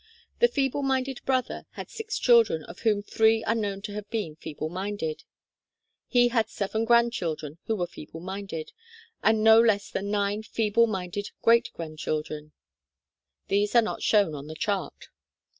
The feeble minded brother had six children, of whom three are known to have been feeble minded. He had seven grandchildren who were feeble minded, and no less than nine feeble minded great grandchildren. (These are not shown on the chart.)